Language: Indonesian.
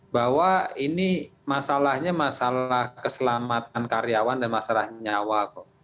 bahwa ini masalahnya masalah keselamatan karyawan dan masalah nyawa kok